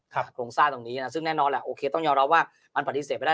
ตรงซ่านตรงนี้ซึ่งแน่นอนต้องยอมรับว่ามันปฏิเสธไปได้